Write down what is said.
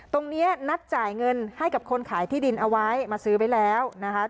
นัดจ่ายเงินให้กับคนขายที่ดินเอาไว้มาซื้อไว้แล้วนะคะ